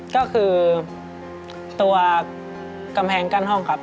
ก็คือตัวกำแพงกั้นห้องครับ